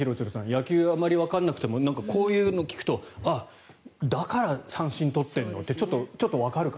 野球あまりわからなくてもこういうのを聞くとだから三振取ってるんだってちょっとわかる。